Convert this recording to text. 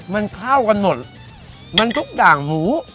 มันเข้ากันหมดมันทุกด่างหมู